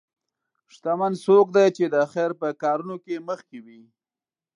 شتمن څوک دی چې د خیر په کارونو کې مخکې وي.